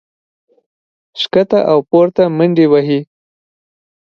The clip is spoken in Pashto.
ښکته او پورته منډې وهي